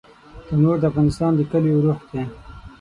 تنور د افغانستان د کليو روح دی